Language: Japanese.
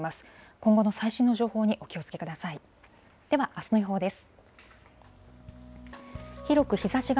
今後の最新の情報にお気をつけください。